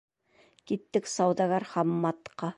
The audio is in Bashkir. — Киттек сауҙагәр Хамматҡа.